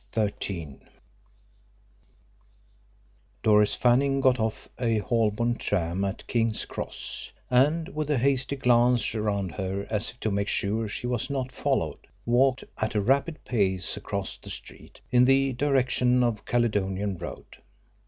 CHAPTER XIII Doris Fanning got off a Holborn tram at King's Cross, and with a hasty glance round her as if to make sure she was not followed, walked at a rapid pace across the street in the direction of Caledonian Road.